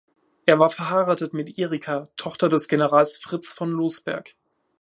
Er war verheiratet mit Erika, Tochter des Generals Fritz von Loßberg.